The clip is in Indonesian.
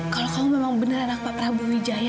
kalau kamu memang benar anak pak prabowo wijaya